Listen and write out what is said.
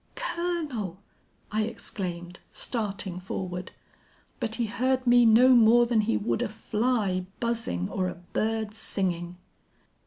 "'Colonel!' I exclaimed, starting forward; but he heard me no more than he would a fly buzzing or a bird singing.